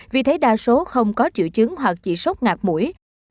vì thế đa số không có triệu chứng hoặc chỉ sốc ngạc mũi